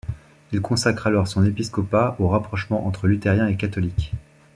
Il consacre alors son épiscopat au rapprochement entre luthériens et catholiques.